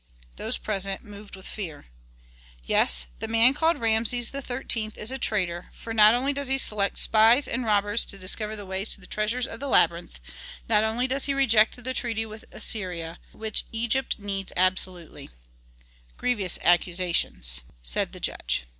Those present moved with fear. "Yes, the man called Rameses XIII. is a traitor, for not only does he select spies and robbers to discover the way to the treasures of the labyrinth, not only does he reject the treaty with Assyria, which Egypt needs absolutely " "Grievous accusations," said the judge.